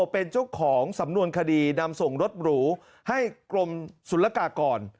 เป็นเจ้าของสำนวนคดีนำส่งรถหรูให้กรมศุลกากร